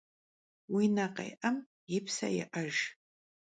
Vui ne khê'em yi pse yê'ejj.